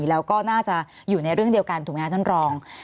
แล้วก็น่าจะอยู่ในเรื่องเดียวกันถูกไหมครับท่านรอง